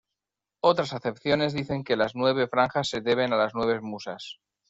Otras acepciones dicen que las nueve franjas se deben a las nueve musas.